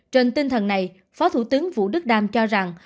trên tinh thần này phó thủ tướng vũ đức đam cho rằng